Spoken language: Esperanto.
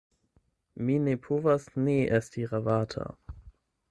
Mi ne povas ne esti ravata.